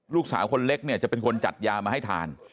ลูกสาวคนเล็กเนี่ยจะเป็นคนจัดยามาให้ทาน